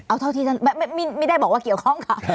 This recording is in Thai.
เอาเท่าที่ท่านไม่ได้บอกว่าเกี่ยวข้องค่ะ